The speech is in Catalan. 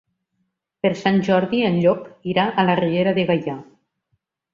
Per Sant Jordi en Llop irà a la Riera de Gaià.